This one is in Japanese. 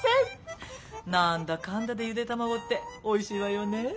何だかんだでゆで卵っておいしいわよね。